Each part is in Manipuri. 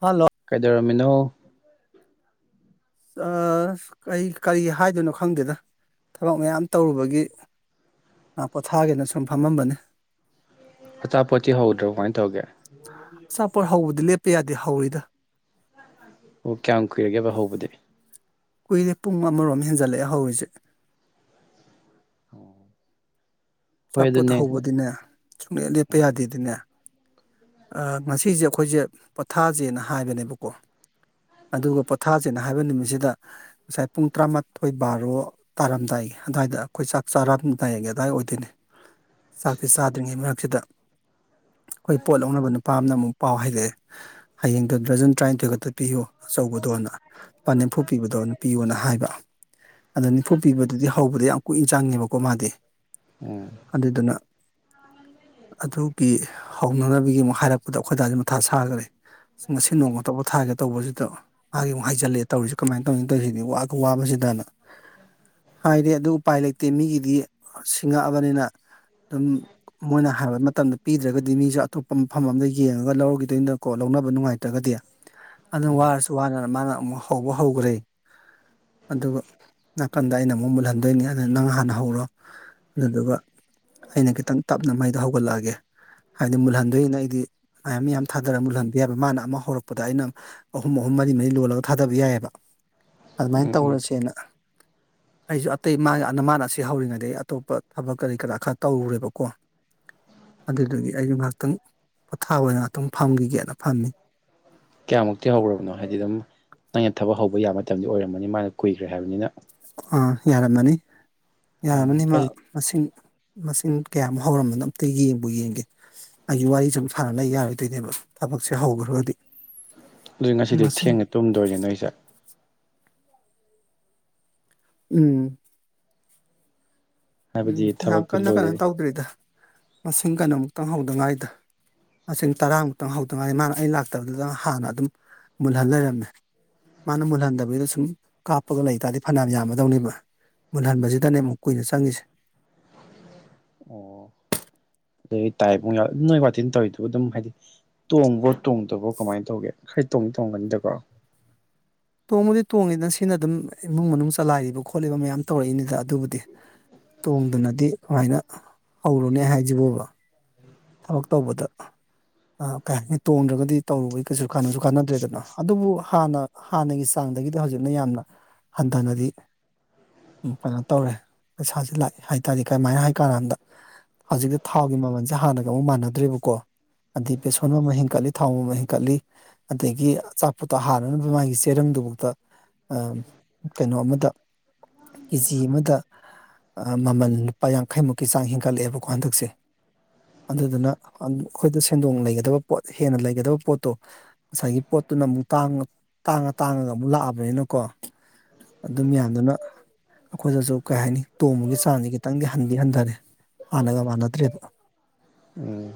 ꯍꯜꯂꯣ ꯀꯩꯗꯧꯔꯝꯃꯤꯅꯣ ꯑꯁ ꯑꯩꯀꯩ ꯍꯥꯏꯗꯣꯏꯅꯣ ꯈꯪꯗꯦꯗ ꯊꯕꯛ ꯃꯌꯥꯝ ꯇꯧꯔꯨꯕꯒꯤ ꯉꯥꯛꯄꯣꯊꯥꯒꯦꯅ ꯁꯨꯝ ꯐꯝꯃꯝꯕꯅꯤ ꯑꯆꯥ ꯄꯣꯠꯇꯤ ꯍꯧꯗ꯭ꯔꯣ ꯀꯃꯥꯏ ꯇꯧꯒꯦ ꯑꯆꯥꯄꯣꯠ ꯍꯧꯕꯗꯤ ꯂꯦꯞꯄ ꯌꯥꯗꯦ ꯍꯧꯔꯤꯗ ꯑꯣ ꯀꯌꯥꯝ ꯀꯨꯏꯔꯒꯦꯕ ꯍꯧꯕꯗꯤ ꯀꯨꯏꯔꯦ ꯄꯨꯡ ꯑꯃꯔꯣꯝ ꯍꯦꯟꯖꯜꯂꯛꯑꯦ ꯍꯧꯔꯤꯖꯤ ꯍꯣꯏ ꯑꯆꯥꯄꯣꯠ ꯑꯗꯨꯅꯦ ꯍꯧꯕꯗꯤꯅꯦ ꯁꯨꯡꯂꯦꯞ ꯂꯦꯞꯄ ꯎꯝ ꯌꯥꯗꯦꯗꯤꯅꯦ ꯑꯥ ꯉꯁꯤꯖꯦ ꯑꯈꯣꯏꯖꯦ ꯄꯣꯊꯥꯖꯦꯅ ꯍꯥꯏꯕꯅꯦꯕꯀꯣ ꯑꯗꯨꯒ ꯄꯣꯊꯥꯖꯦꯅ ꯍꯥꯏꯕ ꯅꯨꯃꯤꯠꯁꯤꯗ ꯉꯁꯥꯏ ꯄꯨꯡ ꯇꯔꯥꯃꯥꯊꯣꯏ ꯕꯥꯔꯣ ꯇꯥꯔꯝꯗꯥꯏꯒꯤ ꯑꯗꯨꯋꯥꯏꯗ ꯈꯣꯏ ꯆꯥꯛ ꯆꯥꯔꯝꯗꯥꯏꯒꯤ ꯑꯗꯥꯏ ꯑꯣꯏꯗꯣꯏꯅꯤ ꯆꯥꯛꯇꯤ ꯆꯥꯗ꯭ꯔꯤꯉꯩ ꯃꯔꯛꯁꯤꯗ ꯑꯩꯈꯣꯏ ꯄꯣꯠ ꯂꯧꯅꯕ ꯅꯨꯄꯥ ꯑꯃꯅ ꯑꯃꯨꯛ ꯄꯥꯎ ꯍꯥꯏꯔꯛꯑꯦ ꯍꯌꯦꯡꯗꯣ ꯗ꯭ꯔꯖꯟ ꯇ꯭ꯔꯏꯟꯊꯣꯏ ꯈꯛꯇ ꯄꯤꯌꯨ ꯑꯆꯧꯕꯗꯣꯅ ꯄꯥ ꯅꯤꯐꯨ ꯄꯤꯕꯗꯣꯅ ꯄꯤꯌꯨꯅ ꯍꯥꯏꯕ ꯑꯗꯣ ꯅꯤꯐꯨ ꯄꯤꯕꯗꯨꯗꯤ ꯍꯧꯕꯗ ꯌꯥꯝ ꯀꯨꯏꯟ ꯆꯪꯉꯦꯕꯀꯣ ꯃꯥꯗꯤ ꯎꯝ ꯑꯗꯨꯗꯨꯅ ꯑꯗꯨꯒꯤ ꯍꯧꯅꯅꯕꯒꯤ ꯑꯃꯨꯛ ꯍꯥꯏꯔꯛꯄꯗ ꯑꯈꯣꯏꯗꯥꯖꯦ ꯃꯊꯥ ꯁꯥꯒ꯭ꯔꯦ ꯉꯁꯤ ꯅꯣꯡꯃꯇꯣꯄꯣꯊꯥꯒꯦ ꯇꯧꯕꯖꯤꯗ ꯃꯥꯒꯤ ꯑꯃꯨꯛ ꯍꯥꯏꯖꯜꯂꯦ ꯇꯧꯔꯤꯖꯦ ꯀꯃꯥꯏ ꯇꯧꯅꯤ ꯇꯧꯏꯖꯤꯗꯤ ꯋꯥꯒ ꯋꯥꯕꯖꯤꯗꯅ ꯍꯥꯏꯗꯤ ꯑꯗꯨ ꯎꯄꯥꯏ ꯂꯩꯇꯦ ꯃꯤꯒꯤꯗꯤ ꯁꯤꯡꯉꯛꯑꯕꯅꯤꯅ ꯑꯗꯨꯝ ꯃꯣꯏꯅ ꯍꯥꯏꯕ ꯃꯇꯝꯗ ꯄꯤꯗ꯭ꯔꯒ ꯗꯩ ꯃꯤꯖꯨ ꯑꯇꯣꯞꯄ ꯃꯐꯝ ꯑꯝꯗ ꯌꯦꯡꯉꯒ ꯂꯧꯒꯤꯗꯣꯏꯅꯀꯣ ꯂꯧꯅꯕ ꯅꯨꯡꯉꯥꯏꯇ꯭ꯔꯒꯗꯤ ꯑꯗꯨꯅ ꯋꯥꯔꯁꯨ ꯇꯨ ꯋꯥꯥꯟꯅ ꯃꯥꯅ ꯑꯃꯨꯛ ꯍꯧꯕ ꯍꯧꯈ꯭ꯔꯦ ꯑꯗꯨꯒ ꯅꯥꯀꯟꯗ ꯑꯩꯅ ꯑꯃꯨꯛ ꯃꯨꯜꯍꯟꯗꯣꯏꯅꯤ ꯑꯗꯨ ꯅꯪ ꯍꯥꯟꯅ ꯍꯧꯔꯣ ꯑꯗꯨꯗꯨꯒ ꯑꯩꯅ ꯈꯤꯇꯪ ꯇꯞꯅ ꯃꯩꯗꯣ ꯍꯧꯒꯠꯂꯛꯑꯒꯦ ꯍꯥꯏꯗꯤ ꯃꯨꯜꯍꯟꯗꯣꯏꯅ ꯑꯩꯗꯤ ꯃꯌꯥꯝ ꯌꯥꯝ ꯊꯥꯗꯔꯒ ꯃꯨꯜꯍꯟꯕ ꯌꯥꯏꯕ ꯃꯥꯅ ꯑꯃ ꯍꯧꯔꯛꯄꯗ ꯑꯩꯅ ꯑꯍꯨꯝ ꯑꯍꯨꯝ ꯃꯔꯤ ꯃꯔꯤ ꯂꯣꯜꯂꯒ ꯊꯥꯗꯕ ꯌꯥꯏꯑꯕ ꯑꯗꯨꯃꯥꯏꯅ ꯎꯝ ꯎꯝ ꯇꯧꯔꯁꯦꯅ ꯑꯩꯁꯨ ꯑꯇꯩ ꯃꯥꯅ ꯃꯥꯅ ꯑꯁꯤ ꯍꯧꯔꯤꯉꯩꯗꯒꯤ ꯑꯇꯣꯞꯄ ꯊꯕꯛ ꯀꯔꯤ ꯀꯔꯥ ꯈꯔ ꯇꯧꯔꯨꯔꯦꯕꯀꯣ ꯑꯗꯨꯗꯨꯗꯒꯤ ꯑꯩꯁꯨ ꯉꯥꯏꯍꯥꯛꯇꯪ ꯄꯣꯊꯥ ꯑꯣꯏꯅ ꯉꯥꯛ ꯑꯗꯨꯇꯝ ꯐꯝꯈꯤꯒꯦꯅ ꯐꯝꯃꯤ ꯀꯌꯥꯃꯨꯛꯇꯤ ꯍꯧꯔꯕꯅꯣ ꯍꯥꯏꯗꯤ ꯑꯗꯨꯝ ꯅꯪꯩꯅ ꯊꯕꯛ ꯍꯧꯕ ꯌꯥꯕ ꯃꯇꯝꯗꯤ ꯑꯣꯏꯔꯝꯃꯅꯤ ꯃꯥꯅ ꯀꯨꯏꯈ꯭ꯔꯦ ꯍꯥꯏꯕꯅꯤꯅ ꯑꯥ ꯌꯥꯔꯝꯃꯅꯤ ꯎꯝ ꯌꯥꯔꯝꯃꯅꯤ ꯃꯥ ꯑꯩ ꯃꯁꯤꯡ ꯃꯁꯤꯡ ꯀꯌꯥꯃꯨ ꯍꯧꯔꯝꯕꯅ ꯑꯝꯇ ꯌꯦꯡꯕ ꯌꯦꯡꯒꯦ ꯑꯩꯒꯤ ꯋꯥꯔꯤꯁꯨꯨꯝ ꯁꯥꯟꯅꯅ ꯌꯥꯔꯣꯏꯗꯣꯏꯅꯦꯕ ꯊꯕꯛꯁꯦ ꯍꯧꯈ꯭ꯔꯒꯗꯤ ꯑꯗꯨ ꯉꯁꯤꯗꯤ ꯃꯁꯤꯡ ꯊꯦꯡꯅ ꯇꯨꯝꯗꯣꯏꯁꯦ ꯅꯣꯏꯁꯦ ꯎꯝ ꯎꯝ ꯍꯥꯏꯕꯗꯤ ꯌꯥꯝ ꯊꯕꯛꯇꯨ ꯀꯟꯅ ꯀꯟꯅ ꯂꯣꯏꯔꯗꯤ ꯇꯧꯗ꯭ꯔꯤꯗ ꯃꯁꯤꯡ ꯀꯩꯅꯣꯃꯨꯛꯇꯪ ꯍꯧꯗꯉꯥꯏꯗ ꯃꯁꯤꯡ ꯇꯔꯥꯃꯨꯛꯇꯪ ꯍꯧꯗꯉꯥꯏꯗꯤ ꯃꯥꯅ ꯑꯩ ꯂꯥꯛꯇꯕꯗꯨꯗ ꯍꯥꯟꯅ ꯑꯗꯨꯝ ꯃꯨꯜꯍꯟ ꯂꯩꯔꯝꯃꯦ ꯃꯥꯅ ꯃꯨꯜꯍꯟꯗꯕꯤꯒꯤꯗ ꯁꯨꯝ ꯀꯥꯞꯄꯒ ꯂꯩ ꯇꯥꯔꯗꯤ ꯐꯅꯌꯥꯝ ꯌꯥꯝꯃꯗꯧꯅꯦꯕ ꯃꯨꯟꯍꯟꯕꯁꯤꯗꯅꯦꯨꯛ ꯀꯨꯏꯅ ꯆꯪꯉꯤꯁꯦ ꯑꯣ ꯑꯗꯨ ꯇꯥꯏꯕ ꯅꯣꯏ ꯋꯥꯇꯤꯟ ꯇꯧꯔꯤꯗꯨ ꯑꯗꯨꯝ ꯍꯥꯏꯗꯤ ꯇꯣꯡꯕ ꯇꯣꯡꯗꯕ꯭ꯔꯣ ꯀꯃꯥꯏꯅ ꯇꯧꯒꯦ ꯈꯔ ꯇꯣꯡꯅꯤ ꯇꯣꯡꯒꯅꯤꯗꯀꯣ ꯇꯣꯡꯕꯗꯤ ꯇꯣꯡꯉꯤꯗꯅ ꯁꯤꯅ ꯑꯗꯨꯝ ꯏꯃꯨꯡ ꯃꯅꯨꯡ ꯆꯂꯥꯏꯔꯤꯕ ꯈꯣꯠꯂꯤꯕ ꯃꯌꯥꯝ ꯇꯧꯔꯛꯏꯅꯤꯗ ꯑꯗꯨꯕꯨꯗꯤ ꯇꯣꯡꯗꯅꯗꯤ ꯀꯃꯥꯏꯅ ꯍꯧꯔꯨꯅꯦ ꯍꯥꯏꯁꯤꯕꯣꯕ ꯊꯕꯛ ꯇꯧꯕꯗ ꯑ ꯀꯩ ꯍꯥꯏꯅꯤ ꯇꯣꯡꯗ꯭ꯔꯒꯗꯤ ꯇꯧꯔꯨꯕꯩ ꯀꯩꯁꯨ ꯀꯅꯁꯨ ꯀꯥꯟꯅꯗ꯭ꯔꯦꯗꯅ ꯑꯗꯨꯕꯨ ꯍꯥꯟꯅ ꯍꯥꯟꯅꯒꯤ ꯆꯥꯡꯗꯒꯤꯗꯤ ꯍꯧꯖꯤꯛꯅ ꯌꯥꯝꯅ ꯍꯟꯊꯅꯗꯤ ꯀꯩꯅꯣ ꯇꯧꯔꯦ ꯄꯩꯁꯥꯁꯦ ꯂꯥꯛꯑꯦ ꯍꯥꯏꯇꯥꯥꯔꯦ ꯀꯃꯥꯏꯅ ꯍꯥꯏ ꯀꯥꯟꯥꯟꯗ ꯍꯧꯖꯤꯛꯇꯤ ꯊꯥꯎꯒꯤ ꯃꯃꯜꯁꯦ ꯍꯥꯟꯅꯒ ꯑꯃꯨꯛ ꯃꯥꯟꯅꯗ꯭ꯔꯦꯕꯀꯣ ꯑꯗꯩ ꯕꯦꯁꯣꯟ ꯑꯃ ꯍꯦꯟꯀꯠꯂꯤ ꯊꯥꯎ ꯑꯃ ꯍꯦꯟꯀꯠꯂꯤ ꯑꯗꯒꯤ ꯑꯆꯥꯄꯣꯠꯇ ꯍꯥꯟꯅꯅꯕ ꯃꯥꯒꯤ ꯆꯦꯔꯪꯗꯨꯐꯥꯎꯗ ꯀꯩꯅꯣ ꯑꯃꯗ ꯀꯦꯖꯤ ꯑꯃꯗ ꯃꯃꯜ ꯂꯨꯄꯥ ꯌꯥꯡꯈꯩꯃꯨꯛꯀꯤ ꯆꯥꯡ ꯍꯦꯟꯒꯠꯂꯛꯑꯦꯕꯀꯣ ꯍꯟꯗꯛꯁꯦ ꯑꯗꯨꯗꯨꯅ ꯑꯩꯈꯣꯏꯗ ꯁꯦꯟꯗꯣꯡ ꯂꯩꯒꯗꯕ ꯄꯣꯠ ꯍꯦꯟꯅ ꯂꯩꯒꯗꯕ ꯄꯣꯠꯇꯣ ꯉꯁꯥꯏꯒꯤ ꯄꯣꯠꯇꯨꯅ ꯑꯃꯨꯛ ꯇꯥꯡꯉ ꯇꯥꯡꯉ ꯇꯥꯡꯉꯒ ꯑꯃꯨꯛ ꯂꯥꯛꯑꯕꯅꯤꯅꯀꯣ ꯑꯗꯨꯝ ꯌꯥꯟꯗꯨꯅ ꯑꯩꯈꯣꯏꯗꯁꯨ ꯀꯩ ꯍꯥꯏꯅꯤ ꯇꯣꯡꯕꯒꯤ ꯆꯥꯡꯗꯤ ꯈꯤꯇꯪꯗꯤ ꯍꯟꯗꯤ ꯍꯟꯊꯔꯦ ꯍꯥꯟꯅꯒ ꯃꯥꯟꯅꯗ꯭ꯔꯦꯕ ꯎꯝ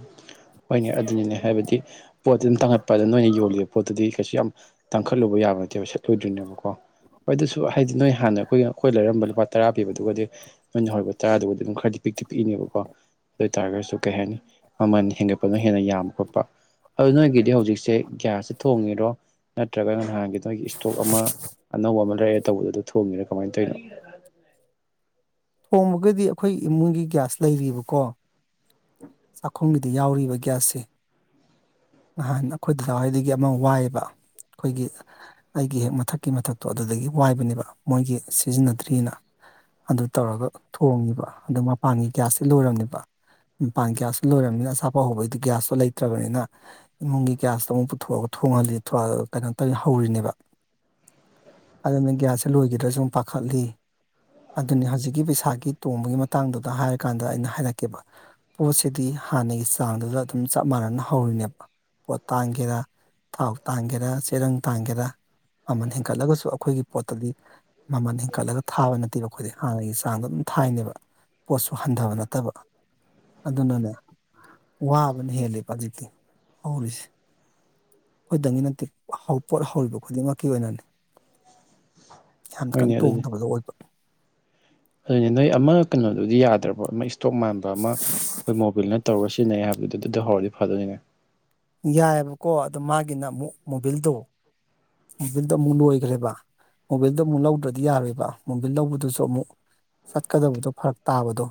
ꯍꯣꯏꯅꯦ ꯑꯗꯨꯅꯤꯅꯦ ꯍꯥꯏꯕꯗꯤ ꯄꯣꯠꯇꯨ ꯑꯗꯨꯝ ꯇꯥꯡꯈꯠꯄꯗꯅ ꯅꯣꯏꯅ ꯌꯣꯜꯂꯤꯕ ꯄꯣꯠꯇꯨꯗꯤ ꯀꯩꯁꯨ ꯌꯥꯝ ꯇꯥꯡꯈꯠꯂꯨꯕ ꯌꯥꯕ ꯅꯠꯇꯦꯕ ꯁꯠꯂꯨꯗꯣꯏꯅꯦꯕꯀꯣ ꯃꯣꯏ ꯑꯗꯨꯁꯨ ꯍꯥꯏꯗꯤ ꯅꯣꯏ ꯍꯥꯟꯅ ꯑꯩꯈꯣꯏ ꯑꯩꯈꯣꯏ ꯂꯩꯔꯝꯕ ꯂꯨꯄꯥ ꯇꯔꯥ ꯄꯤꯕꯗꯨꯒꯗꯤ ꯅꯣꯏꯅ ꯍꯧꯔꯤꯕ ꯇꯔꯥꯗꯨꯕꯨꯗꯤ ꯑꯗꯨꯝ ꯈꯔꯗꯤ ꯄꯤꯛꯇꯤ ꯄꯤꯛꯏꯅꯦꯕꯀꯣ ꯑꯗꯨ ꯑꯣꯏꯇꯥꯥꯔꯒꯁꯨ ꯀꯩ ꯍꯥꯏꯅꯤ ꯃꯃꯜ ꯈꯣꯠꯄꯅ ꯍꯦꯟꯅ ꯌꯥꯝꯕ ꯈꯣꯠꯄ ꯑꯗꯨ ꯅꯣꯏꯒꯤꯗꯤ ꯍꯧꯖꯤꯛꯁꯦ ꯒ꯭ꯌꯥꯁꯁꯦ ꯊꯣꯡꯉꯤꯔꯣ ꯅꯠꯇ꯭ꯔꯒꯅ ꯅꯍꯥꯟ ꯅꯣꯏꯒꯤ ꯏꯁꯇꯣꯛ ꯑꯃ ꯑꯅꯧꯕ ꯑꯃ ꯂꯩꯔꯑꯦ ꯇꯧꯕꯗꯨ ꯑꯗꯨ ꯊꯣꯡꯉꯔ ꯀꯃꯥꯏꯅ ꯇꯧꯔꯤꯅꯣ ꯊꯣꯡꯃꯒꯗꯤ ꯑꯩꯈꯣꯏ ꯏꯃꯨꯡꯒꯤ ꯒ꯭ꯌꯥꯁ ꯂꯩꯔꯤꯕꯀꯣ ꯆꯥꯛꯈꯨꯝꯒꯤꯗ ꯌꯥꯎꯔꯤꯕ ꯒ꯭ꯌꯥꯁꯁꯦ ꯅꯍꯥꯟ ꯑꯩꯈꯣꯏꯗꯗꯋꯥꯏꯗꯒꯤ ꯑꯃ ꯋꯥꯏꯑꯕ ꯑꯩꯈꯣꯏꯒꯤ ꯑꯩꯒꯤ ꯍꯦꯛ ꯃꯊꯛꯀꯤ ꯃꯊꯛꯇꯣ ꯑꯗꯨꯗꯒꯤ ꯋꯥꯏꯕꯅꯦꯕ ꯃꯣꯏꯒꯤ ꯁꯤꯖꯤꯟꯅꯗ꯭ꯔꯤꯑꯅ ꯑꯗꯨ ꯇꯧꯔꯒ ꯊꯣꯡꯉꯤꯕ ꯑꯗꯨ ꯃꯄꯥꯟꯒꯤ ꯒ꯭ꯌꯥꯁꯁꯤꯦ ꯂꯣꯏꯔꯝꯅꯦꯕ ꯃꯄꯥꯟ ꯒ꯭ꯌꯥꯁꯁꯨ ꯂꯣꯏꯔꯕꯅꯤꯅ ꯑꯁꯥꯄ ꯍꯧꯕꯩꯗꯤ ꯒ꯭ꯌꯥꯁꯇꯣ ꯂꯩꯇ꯭ꯔꯕꯅꯤꯅ ꯏꯃꯨꯡꯒꯤ ꯭ꯌꯥꯁꯇ ꯑꯃꯨꯛ ꯄꯨꯊꯣꯛꯑꯒ ꯊꯣꯡꯍꯜꯂꯤ ꯀꯩꯅꯣ ꯇꯧꯔꯤꯅ ꯍꯧꯔꯤꯅꯦꯕ ꯑꯗꯨꯅ ꯒ꯭ꯌꯥꯁꯁꯦ ꯂꯣꯏꯈꯤꯗ꯭ꯔꯁꯨ ꯁꯨꯝ ꯄꯥꯈꯠꯂꯤ ꯑꯗꯨꯅꯤ ꯍꯧꯖꯤꯛꯀꯤ ꯄꯩꯁꯥꯒꯤ ꯇꯣꯡꯕꯒꯤ ꯃꯇꯥꯡꯗꯨꯗ ꯍꯥꯏꯔꯀꯥꯟꯗ ꯑꯩꯅ ꯍꯥꯏꯔꯛꯀꯦꯕ ꯄꯣꯠꯁꯤꯗꯤ ꯍꯥꯟꯅꯒꯤ ꯆꯥꯡꯗꯨꯗ ꯑꯗꯨꯝ ꯆꯞ ꯃꯥꯟꯅꯅ ꯍꯧꯔꯤꯅꯦꯕ ꯄꯣꯠ ꯇꯥꯡꯒꯦꯔꯥ ꯊꯥꯎ ꯇꯥꯡꯒꯦꯔꯥ ꯆꯦꯔꯪ ꯇꯥꯡꯒꯦꯔꯥ ꯃꯃꯜ ꯍꯦꯟꯒꯠꯂꯒꯁꯨ ꯑꯩꯈꯣꯏꯒꯤ ꯄꯣꯠꯇꯗꯤ ꯃꯃꯜ ꯍꯤꯡꯀꯠꯂꯒ ꯊꯥꯕ ꯅꯠꯇꯦꯕ ꯑꯩꯈꯣꯏꯗꯤ ꯍꯥꯟꯅꯒꯤ ꯆꯥꯡꯗꯣ ꯑꯗꯨꯝ ꯊꯥꯏꯅꯦꯕ ꯄꯣꯠꯁꯨ ꯍꯟꯊꯕ ꯅꯠꯇꯕ ꯑꯗꯨꯅꯅꯦ ꯋꯥꯕꯅ ꯍꯦꯜꯂꯦꯕ ꯍꯧꯖꯤꯛꯇꯤ ꯍꯧꯔꯤꯁꯦ ꯑꯩꯈꯣꯏꯛꯇꯪꯒꯤ ꯅꯠꯇꯦ ꯄꯣꯠ ꯍꯧꯔꯤꯕ ꯈꯨꯗꯤꯡꯃꯛꯀꯤ ꯑꯣꯏꯅꯅꯤ ꯌꯥꯝꯅ ꯍꯣꯏꯅꯦ ꯀꯟꯅ ꯇꯣꯡꯗꯕꯗꯣ ꯑꯣꯏꯕ ꯍꫭꯏꯅ‌ꯦ ꯅꯣꯏ ꯑꯃ ꯀꯩꯅꯣꯗꯨꯗꯤ ꯌꯥꯗ꯭ꯔꯕꫭ ꯑꯃ ꯏꯁꯇꯣꯛ ꯃꯥꯟꯕ ꯑꯃ ꯑꯩꯈꯣꯏ ꯃꯣꯕꯤꯜꯅ ꯇꯧꯔꯒ ꯁꯤꯖꯤꯟꯅꯩ ꯍꯥꯏꯕ ꯑꯗꯨꯗ [unintelligible] ꯑꯗꯨꯗꯤ ꯍꯧꯔꯗꯤ ꯐꯗꯣꯏꯅꯦ ꯌꯥꯏꯑꯕꯀꯣ ꯑꯣ ꯃꯥꯒꯤꯅ ꯑꯃꯨꯛ ꯃꯣꯚꯜꯗꯣ ꯃꯣꯚꯜꯗꯣ ꯑꯃꯨꯛ ꯂꯣꯏꯈ꯭ꯔꯦꯕ ꯃꯣꯕꯜꯗ ꯑꯃꯨꯛ ꯂꯧꯗ꯭ꯔꯗꯤ ꯌꯥꯔꯣꯏꯕ ꯃꯣꯕꯜ ꯂꯧꯕꯗꯨꯁꯨ ꯑꯃꯨꯛ ꯆꯠꯀꯗꯕꯗꯣ ꯐꯔꯛ ꯇꯥꯕꯗꯣ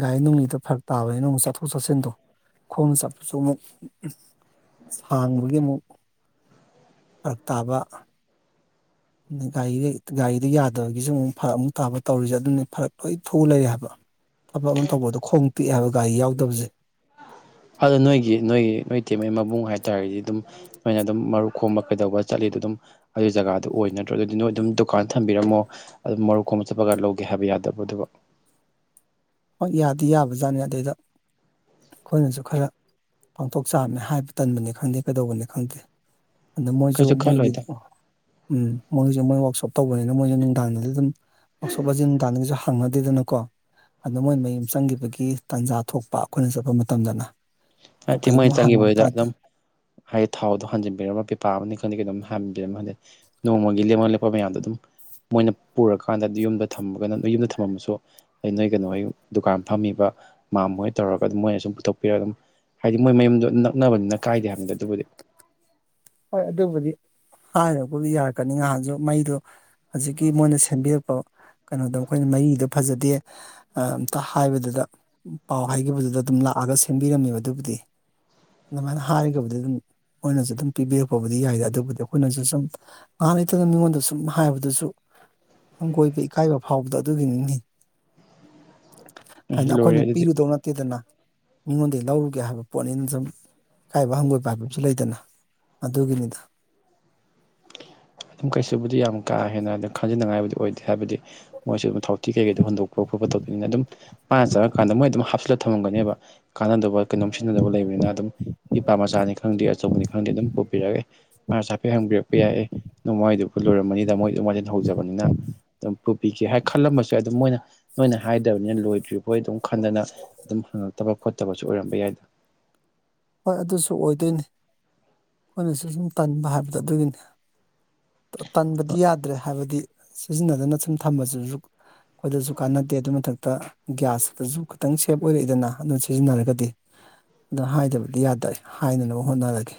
ꯒꯥꯔꯤ ꯅꯨꯡꯂꯤꯗꯨ ꯐꯔꯛ ꯇꯥꯕꯅꯤꯅ ꯑꯃꯨꯛ ꯆꯠꯊꯣꯛ ꯆꯠꯁꯤꯟꯗꯣ ꯈꯣꯝ ꯆꯠꯄꯁꯨ ꯑꯃꯨꯛ ꯁꯥꯡꯕꯒꯤ ꯑꯃꯨꯛ ꯐꯔꯛ ꯇꯥꯕ ꯒꯥꯔꯤꯗ ꯒꯥꯔꯤꯗ ꯌꯥꯗꯕꯒꯤꯁꯨ ꯑꯃꯨꯛ ꯐꯔꯛ ꯑꯃꯨꯛ ꯇꯥꯕ ꯇꯧꯔꯤꯁꯦ ꯑꯗꯨꯅꯦ ꯐꯔꯛ ꯂꯣꯏ ꯐꯨ ꯂꯩꯔꯦ ꯍꯥꯏꯕ ꯊꯕꯛ ꯑꯃ ꯇꯧꯕꯗꯣ ꯈꯣꯡ ꯇꯤꯛꯑꯦ ꯍꯥꯏꯕ ꯒꯥꯔꯤ ꯌꯥꯎꯗꯕꯁꯦ ꯑꯗꯣ ꯅꯣꯏꯒꯤ ꯅꯣꯏꯒꯤ ꯅꯣꯏ ꯏꯇꯩꯃꯩ ꯃꯕꯨꯡ ꯍꯥꯏꯇꯥꯔꯗꯤ ꯑꯗꯨꯝ ꯃꯣꯏꯅ ꯑꯗꯨꯝ ꯃꯔꯨꯞ ꯈꯣꯝꯕ ꯀꯩꯗꯧꯕ ꯆꯠꯂꯤꯗꯣ ꯑꯗꯨꯝ ꯑꯗꯨ ꯖꯒꯥꯗꯨ ꯑꯣꯏ ꯅꯠꯇ꯭ꯔꯒꯗꯤ ꯅꫭꯏ ꯑꯗꯨꯝ ꯗꯨꯀꯥꯟ ꯊꯝꯕꯤꯔꯝꯃꯣ ꯑꯗꯨ ꯃꯔꯨꯞ ꯈꫭꯝꯕ ꯆꯠꯄꯒ ꯂꯧꯒꯦ ꯍꯥꯏꯕ ꯌꯥꯗꯕꯔꫭ ꯑꯗꯨꯕꯨ ꯍꯣꯏ ꯌꯥꯗꯤ ꯌꯥꯕꯖꯥꯠꯅꯤ ꯑꯗꯩꯏꯗ ꯑꯩꯈꯣꯏꯅꯁꯨ ꯈꯔ ꯄꯥꯡꯊꯣꯛ ꯆꯥꯕꯅꯤ ꯍꯥꯏꯕ ꯇꯟꯕꯅꯤ ꯈꯪꯗꯦ ꯀꯩꯗꯧꯕꯅꯤ ꯈꯪꯗꯦ ꯑꯗ ꯃꯣꯏꯁꯨ ꯀꯩꯁꯨ ꯃꯣꯏꯒꯤ ꯈꯜꯂꯣꯏꯗ ꯎꯝ ꯃꯣꯏꯒꯤꯁꯨ ꯃꯣꯏ ꯋꯥꯛꯁꯣꯞ ꯇꯧꯕꯅꯤꯅ ꯃꯣꯏꯁꯨ ꯅꯨꯡꯗꯥꯡꯗꯗꯤ ꯑꯗꯨꯝ ꯋꯥꯛꯁꯣꯞꯑꯁꯦ ꯅꯨꯡꯗꯥꯡꯗ ꯀꯩꯁꯨ ꯍꯪꯉꯗꯦꯗꯅꯀꯣ ꯑꯗ ꯃꯣꯏ ꯃꯌꯨꯝ ꯆꯪꯈꯤꯕꯒꯤ ꯇꯥꯟꯖꯥ ꯊꯣꯛꯄ ꯑꯩꯈꯣꯏꯅ ꯆꯠꯄ ꯃꯇꯝꯗꯅ ꯍꯥꯏ ꯊ [unintelligible] ꯃꯣꯏ ꯀꯩꯒꯨꯝꯕ ꯍꯪꯉꯝ ꯆꯪꯈꯤꯕꯕꯗ ꯇꯥꯔꯗꯤ ꯑꯗꯨꯝ ꯍꯥꯏꯗꯤ ꯊꯥꯎꯗꯣ ꯍꯟꯖꯤꯟꯕꯤꯔꯝꯃ ꯄꯤꯄꯥ ꯑꯃꯅꯤ ꯈꯪꯗ‌ꯦ ꯀꯩꯅꫭꯝ ꯍꯕꯤꯔꯝꯃꯗꯤ ꯅꯣꯡꯃꯒꯤ ꯂꯦꯞꯃ ꯂꯦꯞꯄ ꯃꯌꯥꯝꯗꯣ ꯑꯗꯨꯝ ꯃꯣꯏꯅ ꯄꯨꯔꯀꯥꯟꯗꯗꯤ ꯌꯨꯝꯗ ꯊꯝꯃꯒꯅ ꯌꯨꯝꯗ ꯊꯝꯃꯝꯃꯁꯨ ꯑꯩ ꯅꯣꯏ ꯀꯩꯅꯣ ꯍꯣꯏ ꯗꯨꯀꯥꯟ ꯐꯝꯃꯤꯕ ꯃꯥꯝ ꯍꫭꯏ ꯇꯧꯔꯒ ꯑꯗꯨꯝ ꯃꯣꯏꯅ ꯁꯨꯝ ꯄꯨꯊꯣꯛꯄꯤꯔꯒ ꯑꯗꯨꯝ ꯍꯥꯏꯗꯤ ꯃꯣꯏ ꯃꯌꯨꯝꯗꯣ ꯅꯛꯅꯕꯅꯤꯅ ꯀꯥꯏꯗꯦ ꯍꯥꯏꯕꯗ ꯑꯗꯨꯕꯨꯗꯤ ꯍꯣꯏ ꯑꯗꯨꯕꯨꯗꯤ ꯍꯥꯏꯔꯕꯨꯗꯤ ꯌꯥꯔꯛꯀꯅꯤ ꯉꯍꯥꯟꯁꯨ ꯃꯩꯗꯨ ꯍꯧꯖꯤꯛꯀꯤ ꯃꯣꯏꯅ ꯁꯦꯝꯕꯤꯔꯛꯄ ꯀꯩꯅꯣꯗꯣ ꯑꯈꯣꯏꯅ ꯃꯔꯤꯗꯣ ꯐꯖꯗꯦ ꯑꯝꯇ ꯍꯥꯏꯕꯗꯨꯗ ꯄꯥꯎ ꯍꯥꯏꯈꯤꯕꯗꯨꯗ ꯑꯗꯨꯝ ꯂꯥꯛꯑꯒ ꯁꯦꯝꯕꯤꯔꯝꯃꯦꯕ ꯑꯗꯨꯕꯨꯗꯤ ꯑꯗꯨꯃꯥꯏꯅ ꯍꯥꯏꯔꯒꯕꯨꯗꯤ ꯑꯗꯨꯝ ꯃꫭꯏꯅꯁꯨ ꯑꯗꯨꯝ ꯄꯤꯕꯤꯔꯛꯄꯕꯨꯗꯤ ꯌꯥꯏꯗꯦ ꯑꯗꯨꯕꯨꯗꯤ ꯑꯩꯈꯣꯏꯅꯁꯨ ꯁꯨꯝ ꯉꯥꯏꯍꯥꯛ ꯂꯩꯇꯅ ꯃꯤꯉꯣꯟꯗ ꯁꯨꯝ ꯍꯥꯏꯕꯗꯨꯁꯨ ꯍꯪꯒꯣꯏꯕ ꯏꯀꯥꯏꯕ ꯐꯥꯎꯕꯗ ꯑꯗꯨꯒꯤꯅꯤꯅꯤ ꯍꯥꯏꯗꯤ [unintelligible] ꯂꯣꯏꯔꯦ ꯑꯩꯈꯣꯏꯅ ꯑꯗꯨꯗꯤ ꯄꯤꯔꯨꯗꯧ ꯅꯠꯇꯦꯗꯅ ꯃꯤꯉꯣꯟꯗꯒꯤ ꯂꯧꯔꯨꯒꯦ ꯍꯥꯏꯕ ꯄꯣꯠꯅꯤꯅ ꯁꯨꯝ ꯑꯀꯥꯏꯕ ꯍꯪꯒꯣꯏꯕ ꯍꯥꯏꯕꯁꯨ ꯂꯩꯗꯅ ꯑꯗꯨꯒꯤꯅꯤꯗ ꯑꯗꯨꯝ ꯀꯩꯁꯨꯕꯨꯗꯤ ꯌꯥꯝ ꯀꯥ ꯍꯦꯟꯅ ꯑꯗꯨꯝ ꯈꯟꯖꯤꯅꯤꯡꯉꯥꯏꯕꯨꯗꯤ ꯑꯣꯏꯗꯦ ꯍꯥꯏꯕꯗꯤ ꯃꯣꯏꯁꯨ ꯑꯗꯨꯝ ꯊꯥꯎꯇꯤ ꯀꯩꯀꯩꯗꯨ ꯍꫭꯟꯗꯣꯛꯄ ꯈꯣꯠꯄ ꯇꯧꯕꯅꯤꯅ ꯑꯗꯨꯝ ꯃꯥꯅ ꯆꯠꯂꯀꯥꯟꯗ ꯃꯣꯏ ꯑꯗꯨꯝ ꯍꯥꯞꯆꯜꯂ ꯊꯝꯃꯝꯒꯅꯦꯕ ꯀꯥꯟꯅꯗꯕ ꯀꯩꯅꯣꯝ ꯁꯤꯖꯤꯟꯅꯗꯕ ꯂꯩꯕꯅꯤꯅ ꯑꯗꯨꯝ ꯄꯤꯄꯥ ꯃꯆꯥꯅꯤ ꯈꯪꯗꯦ ꯑꯆꯧꯕꯅꯤ ꯈꯪꯗꯦ ꯑꯗꯨꯝ ꯄꯨꯕꯤꯔꯒꯥ ꯑ‌ꯦ ꯃꯥ ꯆꯥꯄꯤ ꯍꯪꯕꯤꯔꯛꯄ ꯌꯥꯏ ꯑ‌ꯦ ꯅꯣꯡꯃꯥꯏꯗꯨꯕꯨ ꯂꯣꯏꯔꯝꯃꯅꯤꯗ ꯃꯣꯏ ꯑꯗꯨ ꯃꯥꯏꯖꯤꯟ ꯍꯧꯖꯕꯅꯤꯅ [unintelligible] ꯑꯗꯨꯝ ꯄꯨꯕꯤꯒꯦ ꯍꯥꯏ ꯈꯜꯂꯝꯃꯁꯨ ꯑꯗꯨꯝ ꯃꯣꯏꯅ ꯅꯣꯏꯅ ꯍꯥꯏꯗꯕꯅꯤꯅ ꯂꯣꯏꯗ꯭ꯔꯤꯕ ꯕꫭꯏ ꯑꯗꯨꯝ ꯈꯟꯗꯅ ꯑꯗꯨꯝ ꯍꯪꯉꯛꯇꯕ ꯈꯣꯠꯇꯕꯁꯨ ꯑꯣꯏꯔꯝꯕ ꯌꯥꯏꯗꯥ ꯍꯣꯏ ꯑꯗꯨꯁꯨ ꯑꯣꯏꯗꯣꯏꯅꯤ ꯑꯩꯈꯣꯏꯅꯁꯨ ꯁꯨꯝ ꯇꯟꯕ ꯍꯥꯏꯕꯗꯣ ꯑꯗꯨꯒꯤꯅꯤ ꯇꯟꯕꯗꯤ ꯌꯥꯗ꯭ꯔꯦ ꯍꯥꯏꯕꯗꯤ ꯁꯤꯖꯤꯟꯅꯗꯅ ꯁꯨꯝ ꯊꯝꯃꯁꯨ ꯑꯩꯈꯣꯏꯗꯁꯨ ꯀꯥꯟꯅꯗꯦ ꯑꯗꯨ ꯃꯊꯛꯇ ꯒ꯭ꯌꯥꯁꯇꯁꯨ ꯈꯤꯇꯪ ꯁꯦꯞ ꯑꯣꯏꯔꯛꯏꯗꯅ ꯑꯗꯨꯅ ꯁꯤꯖꯤꯟꯅꯔꯒꯗꯤ ꯑ ꯍꯥꯏꯗꯕ ꯌꯥꯗ ꯍꯥꯏꯅꯅꯕ ꯍꯣꯠꯅꯔꯒꯦ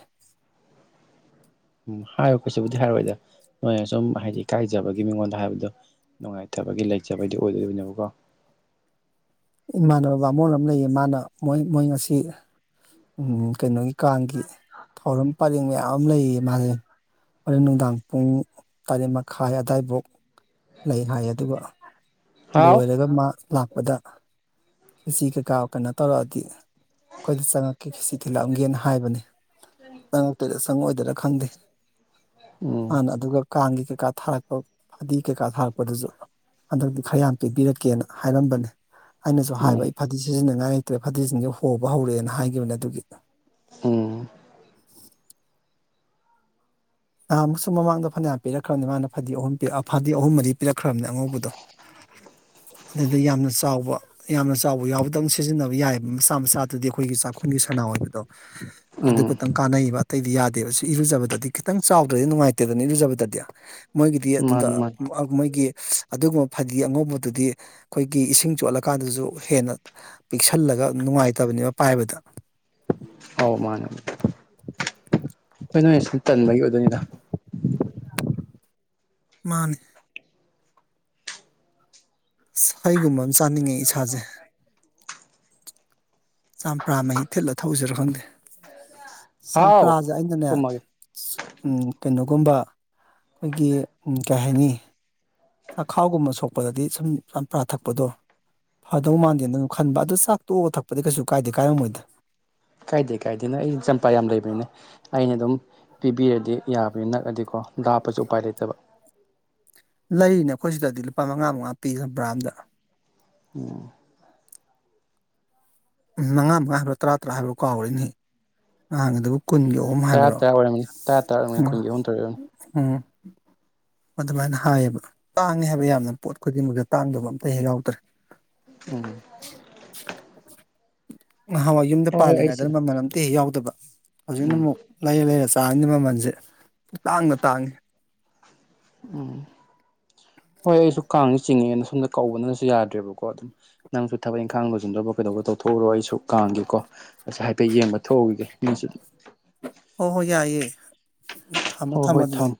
ꯎꯝ ꯍꯥꯏꯌꯣ ꯀꯩꯁꯤꯕꯨꯗꯤ ꯍꯥꯏꯔꯣꯏꯗ ꯅꯣꯏꯅ ꯁꯨꯝ ꯍꯥꯏꯗꯤ ꯀꯥꯏꯖꯕꯒꯤ ꯃꯤꯉꯣꯟꯗ ꯍꯥꯏꯕꯗꯣ ꯅꯨꯡꯉꯥꯏꯇꯕꯒꯤ ꯂꯩꯖꯕꯩꯗꯤ ꯑꯣꯏꯗꯣꯏꯅꯦꯕꯀꯣ ꯏꯃꯥꯟꯅꯕ ꯕꯥꯃ‌ꯣꯟ ꯑꯃ ꯂꯩꯌꯦ ꯃꯥꯅ ꯃꯣꯏ ꯃꯣꯏ ꯉꯁꯤ ꯎꯝ ꯀꯩꯅꯣꯒꯤ ꯀꯥꯡꯒꯤ ꯊꯧꯔꯝ ꯄꯔꯦꯡ ꯃꯌꯥꯝ ꯃꯌꯥꯝ ꯑꯃ ꯂꯩꯌꯦ ꯃꯥꯁꯦ ꯍꯨꯔ‌ꯦꯟ ꯅꯨꯡꯗꯥꯡ ꯄꯨꯡ ꯇꯔꯦꯠ ꯃꯈꯥꯏ ꯑꯋꯥꯏꯐꯥꯎ ꯂꯩ ꯍꯥꯏ ꯑꯗꯨꯒ ꯍꯥꯎ ꯂꯣꯏꯔꯒ ꯃꯥ ꯂꯥꯛꯄꯗ ꯀꯦꯖꯤ ꯀꯩꯀꯥ ꯀꯩꯅꯣ ꯇꯧꯔꯛꯑꯗꯤ ꯑꯩꯈꯣꯏꯗ ꯆꯪꯉꯛꯀꯦ ꯈꯦꯁꯤ ꯊꯤꯜꯂꯛꯑꯝꯒꯦꯅ ꯍꯥꯏꯕꯅꯤ ꯆꯪꯉꯛꯇꯣꯏꯗ ꯆꯪꯉꯣꯏꯗ꯭ꯔꯥ ꯈꯪꯗꯦ ꯎꯝ ꯃꯥꯅ ꯑꯗꯨꯒ ꯀꯥꯡꯒꯤ ꯀꯩꯀꯥ ꯊꯥꯔꯛꯄ ꯐꯗꯤ ꯀꯩꯀꯥ ꯊꯥꯔꯛꯄꯗꯨꯁꯨ ꯍꯟꯗꯛꯇ ꯈꯔꯌꯥꯝ ꯄꯤꯕꯤꯔꯛꯀꯦꯅ ꯍꯥꯏꯔꯝꯕꯅꯦ ꯑꯩꯅꯁꯨ ꯍꯥꯏꯕ ꯎꯝ ꯑꯩ ꯐꯗꯤ ꯁꯤꯖꯤꯟꯅꯉꯥꯏ ꯂꯩꯇ꯭ꯔꯦ ꯐꯗꯤꯁꯤꯡꯁ ꯍꯣꯕ ꯍꯧꯔꯛꯑꯦꯅꯒꯤꯈꯤꯕꯅꯦ ꯑꯗꯨꯒꯤ ꯎꯝ ꯅꯍꯥꯟꯃꯨꯛꯁꯨ ꯃꯃꯥꯡꯗ ꯐꯅꯌꯥꯝ ꯄꯤꯔꯛꯈ꯭ꯔꯕꯅꯦ ꯃꯥꯅ ꯐꯗꯤ ꯑꯍꯨꯝ ꯐꯗꯤ ꯑꯍꯨꯝ ꯃꯔꯤ ꯄꯤꯔꯛꯈ꯭ꯔꯕꯅꯦ ꯑꯉꯧꯕꯗꯣ ꯑꯗꯨꯗ ꯌꯥꯝꯅ ꯆꯥꯎꯕ ꯌꯥꯝꯅ ꯆꯥꯎꯕ ꯌꯥꯎꯕꯗꯪ ꯁꯤꯖꯤꯟꯅꯕ ꯌꯥꯏꯕ ꯃꯆꯥ ꯃꯆꯥꯗꯨꯗꯤ ꯑꯩꯈꯣꯏꯒꯤ ꯆꯥꯛꯈꯨꯝꯒꯤ ꯁꯅꯥ ꯑꯣꯏꯕꯗꯣ ꯑꯗꯨ ꯎꯝ ꯈꯛꯇꯪ ꯀꯥꯟꯅꯩꯕ ꯑꯇꯩꯗꯤ ꯌꯥꯗꯦꯕ ꯁꯤ ꯏꯔꯨꯖꯕꯗꯗꯤ ꯈꯤꯇꯪ ꯆꯥꯎꯗ꯭ꯔꯗꯤ ꯅꯨꯡꯉꯥꯏꯇꯦꯗꯅꯤ ꯏꯔꯨꯖꯕꯗꯗꯤ ꯃꯣꯏꯒꯤꯗꯤ ꯑꯗꯨꯗ ꯃꯥꯅꯤ ꯃꯥꯅꯤ ꯃꯣꯏꯒꯤ ꯑꯗꯨꯒꯨꯝꯕ ꯐꯗꯤ ꯑꯉꯧꯕꯗꯨꯗꯤ ꯑꯩꯈꯣꯏꯒꯤ ꯏꯁꯤꯡ ꯆꯣꯠꯂꯀꯥꯟꯗꯁꯨ ꯍꯦꯟꯅ ꯄꯤꯛꯁꯜꯂꯒ ꯅꯨꯡꯉꯥꯏꯇꯕꯅꯦꯕ ꯄꯥꯏꯕꯗ ꯑꯧ ꯃꯥꯅꯦ [unintelligible] ꯇꯟꯕꯒꯤ ꯑꯣꯏꯗꯣꯏꯅꯤꯗ ꯃꯥꯅꯦ ꯍꯩꯒꯨꯝꯕ ꯑꯃ ꯆꯥꯅꯤꯡꯉꯦ ꯏꯁꯥꯁꯦ ꯆꯝꯄ꯭ꯔꯥ ꯃꯍꯤ ꯊꯤꯠꯂ ꯊꯧꯎꯁꯤꯔ ꯈꯪꯗꯦ ꯍꯥꯎ ꯆꯝꯄꯔꯥꯁꯦ ꯑꯩꯅꯅꯦ ꯀꯨꯝꯃꯒꯦ ꯀꯩꯅꯣꯒꯨꯝꯕ ꯑꯩꯈꯣꯏꯒꯤ ꯀꯩ ꯍꯥꯏꯅꯤ ꯆꯈꯥꯎꯒꯨꯝꯕ ꯁꯣꯛꯄꯗꯗꯤ ꯁꯨꯝ ꯆꯝꯄ꯭ꯔꯥ ꯊꯛꯄꯗꯣ ꯐꯗꯧ ꯃꯥꯟꯗꯦꯅ ꯑꯗꯨ ꯈꯟꯕꯗꯣ ꯆꯥꯛ ꯇꯣꯛꯑ ꯊꯛꯄꯗꯤ ꯀꯩꯁꯨ ꯀꯥꯏꯗꯦ ꯀꯥꯏꯔꯝꯃꯣꯏꯗ ꯀꯥꯏꯗꯦ ꯀꯥꯏꯗꯦ ꯅ ꯑꯩꯗꯤ ꯆꯝꯄ ꯌꯥꯝ ꯂꯩꯕꯅꯤꯅꯦ ꯑꯩꯅ ꯑꯗꯨꯝ ꯄꯤꯕꯤꯔꯗꯤ ꯌꯥꯕꯅꯤ ꯅꯛꯑꯗꯤꯀꯣ ꯂꯥꯞꯄꯁꯨ ꯎꯄꯥꯏ ꯂꯩꯇꯕ ꯂꯩꯔꯤꯅꯦ ꯑꯩꯈꯣꯏ ꯁꯤꯗꯗꯤ ꯂꯨꯄꯥ ꯃꯉꯥ ꯃꯉꯥ ꯄꯤ ꯆꯝꯄ꯭ꯔꯥ ꯑꯃꯗ ꯎꯝ ꯃꯉꯥ ꯃꯉꯥ ꯍꯥꯏꯕ꯭ꯔꯣ ꯇꯔꯥ ꯇꯔꯥ ꯍꯥꯏꯕ꯭ꯔꯣ ꯀꯥꯎꯔ‌ꯦꯅ‌ꯦ ꯅꯍꯥꯟꯒꯤꯗꯨꯕꯨ ꯀꯨꯟ ꯌꯣ ꯇꯔꯥ ꯇꯔꯥ ꯑꯣꯏꯔꯝꯅꯤ ꯇꯔꯥ ꯇꯔꯥꯔꯝꯅꯤ ꯀꯨꯟꯒꯤ ꯑꯍꯨꯝ ꯇꯧꯔꯤ ꯑ‌ꯣꯏꯔꯝꯅꯤ ꯎꯝ ꯑꯗꯨꯃꯥꯏꯅ ꯍꯥꯏꯌꯦꯕ ꯇꯥꯡꯉꯦ ꯍꯥꯏꯕ ꯌꯥꯝꯅ ꯄꯣꯠ ꯈꯨꯗꯤꯡꯃꯛꯇ ꯇꯥꯡꯗꯕ ꯑꯝꯇ ꯍꯦꯛ ꯌꯥꯎꯗ꯭ꯔꯦ ꯎꯝ ꯅꯍꯥꯟꯋꯥꯏ ꯌꯨꯝꯗ ꯍꯣꯏ ꯍꯣꯏ ꯑꯩꯁꯦ ꯄꯥꯜꯂꯤꯉꯩꯗꯅ ꯃꯃꯜ ꯑꯝꯇ ꯍꯦꯛ ꯌꯥꯎꯗꯕ ꯍꯧꯖꯤꯛꯅ ꯎꯝ ꯑꯃꯨꯛ ꯂꯩꯔ ꯂꯩꯔ ꯆꯥꯔꯃꯤꯅ ꯃꯃꯜꯁꯦ ꯏꯇꯥꯡꯗ ꯇꯥꯡꯉꯤ ꯎꯝ ꯍꯣꯏ ꯑꯩꯁꯨ ꯀꯥꯡꯉꯦ ꯆꯤꯡꯉꯦꯅ ꯁꯣꯝꯅ ꯀꯧꯕꯅꯅꯁꯨ ꯌꯥꯗ꯭ꯔꯦꯕꯀꯣ ꯑꯗꯨꯝ ꯅꯪꯁꯨ ꯊꯕꯛ ꯏꯪꯈꯥꯡ ꯂ‌ꯣꯏꯁꯤꯟꯗꯧꯕ ꯀꯩꯗꯧꯕ ꯇꯧꯊꯣꯛꯎꯔꯣ ꯑꯩꯁꯨ ꯀꯥꯡꯒꯤꯀꯣ ꯑꯁ ꯍꯥꯏꯐꯦꯠ ꯌꯦꯡꯕ ꯊꯣꯛꯎꯈꯤꯒꯦ ꯃꯤꯁꯨ ꯍꯣꯏ ꯍꯣꯏ ꯌꯥꯏꯑꯦ ꯎ ꯊꯝꯃꯣ ꯍꯣꯏ ꯊꯝꯃꯣ ꯍꯣꯏ ꯑꯗꯨꯗꯤ ꯊꯝꯃꯦ